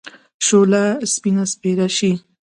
شوله! سپين سپيره شې.